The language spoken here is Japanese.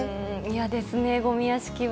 嫌ですね、ごみ屋敷は。